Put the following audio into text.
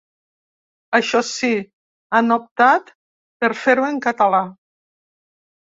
Això sí, han optat per fer-ho en català.